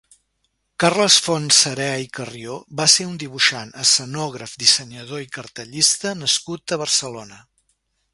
Carles Fontserè i Carrió va ser un dibuixant, escenògraf, dissenyador i cartellista nascut a Barcelona.